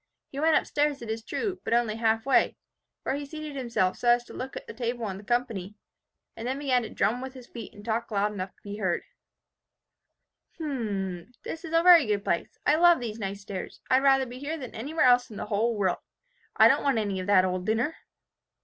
He went up stairs, it is true, but only half way, where he seated himself so as to look at the table and the company, and then began to drum with his feet and to talk loud enough to be heard, "'H m n h! This is a very good place. I love these nice stairs. I'd rather be here than anywhere else in the world. I don't want any of that old dinner!